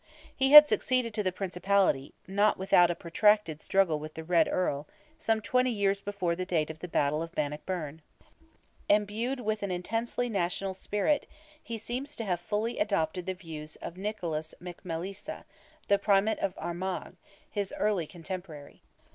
He had succeeded to the principality—not without a protracted struggle with the Red Earl—some twenty years before the date of the battle of Bannockburn. Endued with an intensely national spirit, he seems to have fully adopted the views of Nicholas McMaelisa, the Primate of Armagh, his early cotemporary.